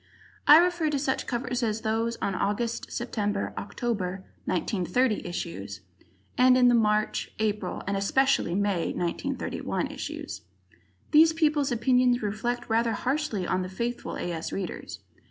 I refer to such covers as those on the August, September, October, 1930, issues, and the March, April, and especially May, 1931, issues. These people's opinions reflect rather harshly on the faithful A. S. Readers.